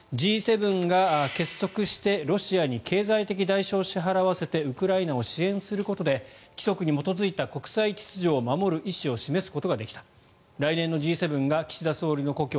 Ｇ７が結束してロシアに経済的代償を支払わせてウクライナを支援することで規則に基づいた国際秩序を守る意思を示すことができた来年のＧ７が岸田総理の故郷